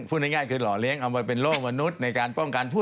พูดง่ายคือหล่อเลี้ยงเอามาเป็นโลกมนุษย์ในการป้องกันผู้